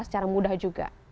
secara mudah juga